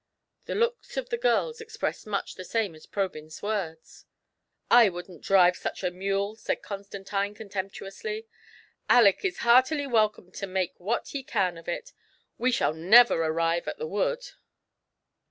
The looks of the girls expressed much the same as Probyn's words. •" I wouldn't drive such a mule !" said Constantine, contemptuously ;" Aleck is heartily welcome to make' what he can of it ; we shall never arrive at the wood."